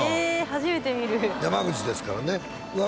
初めて見る山口ですからねうわ